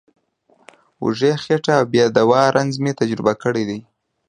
وږې خېټه او بې دوا رنځ مې تجربه کړی دی.